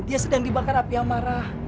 dia sedang dibakar api yang marah